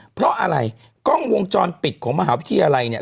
เพราะอะไรกล้องวงจรปิดของมหาวิทยาลัยเนี่ย